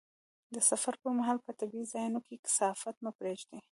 د سفر پر مهال په طبیعي ځایونو کې کثافات مه پرېږده.